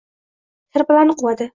Sharpalarni quvadi.